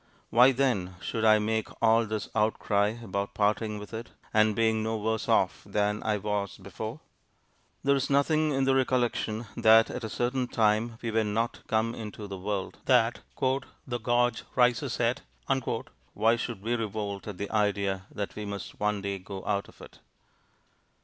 Why, then, should I make all this outcry about parting with it, and being no worse off than I was before? There is nothing in the recollection that at a certain time we were not come into the world that 'the gorge rises at' why should we revolt at the idea that we must one day go out of it?